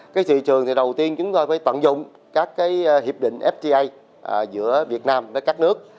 cái thị trường thì đầu tiên chúng tôi phải tận dụng các cái hiệp định fta giữa việt nam với các nước